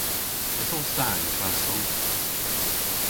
Esos ta y'n klass Sowsnek?